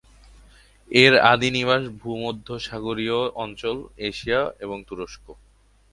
এর আদি নিবাস ভূমধ্যসাগরীয় অঞ্চল, এশিয়া এবং তুরস্ক।